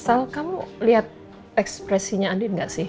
sal kamu liat ekspresinya andin gak sih